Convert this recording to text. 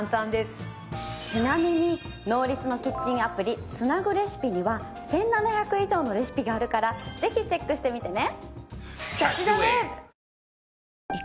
ちなみにノーリツのキッチンアプリつなぐレシピには１７００以上のレシピがあるからぜひチェックしてみてね！